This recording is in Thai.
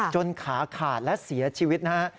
ขาขาดและเสียชีวิตนะฮะ